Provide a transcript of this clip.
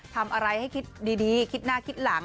ทำอะไรให้คิดดีคิดหน้าคิดหลัง